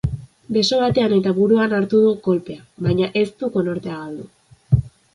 Beso batean eta buruan hartu du kolpea, baina ez du konortea galdu.